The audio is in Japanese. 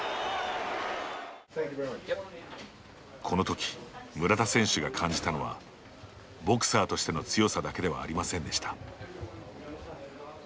このとき村田選手が感じたのはボクサーとしての強さだけではありませんでした。